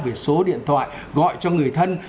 về số điện thoại gọi cho người thân